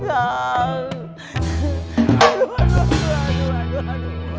aduh aduh aduh aduh aduh aduh